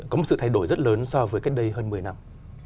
có một sự thay đổi rất lớn so với cách đây hơn một mươi năm